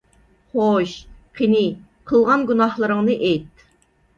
خوش، قېنى، قىلغان گۇناھلىرىڭنى ئېيت!